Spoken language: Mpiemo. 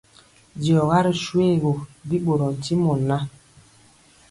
D@Diɔga ri shoégu, bi ɓorɔɔ ntimɔ ŋan.